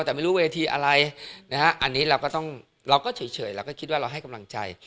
แต่ไม่รู้เวทีอะไรนะฮะอันนี้เราก็ต้องเราก็เฉยเราก็คิดว่าเราให้กำลังใจ